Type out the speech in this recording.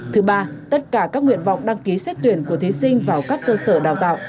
thứ ba tất cả các nguyện vọng đăng ký xét tuyển của thí sinh vào các cơ sở đào tạo